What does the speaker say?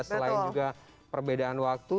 selain juga perbedaan waktu